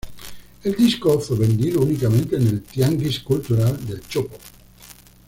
El disco fue vendido únicamente en el Tianguis Cultural del Chopo.